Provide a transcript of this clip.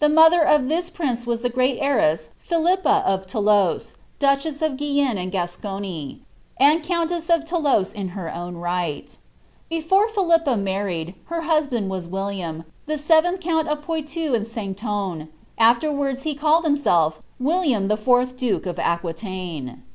The mother of this prince was the great heiress Phiiippa of Thoulouse, duchess of Quienne and Grascony, and countess of Thoulouse in her own right Before Phiiippa married, her husband was William, the seventh count of Poitou and Saintonge ; aderwards he called himself William the fourth duke of Aquitaine.